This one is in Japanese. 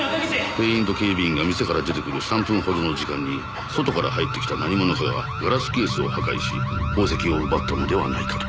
店員と警備員が店から出てくる３分ほどの時間に外から入ってきた何者かがガラスケースを破壊し宝石を奪ったのではないかと。